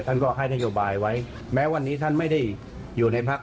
ในทางปฏิบัติก็คงจะคุยกันจบก่อนนะครับ